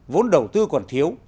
vốn đầu tư còn thiếu